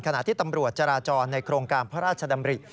ขณะที่ตำรวจจราจรในโครงการพระราชดำริ